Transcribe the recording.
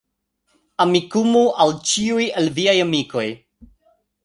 Amikumu al ĉiuj el viaj amikoj